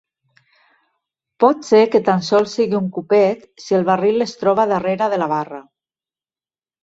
Pot ser que tan sols sigui un copet si el barril es troba darrera de la barra.